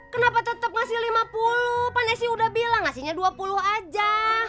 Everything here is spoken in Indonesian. kenapa tetep ngasih lima puluh panesi udah bilang ngasihnya dua puluh aja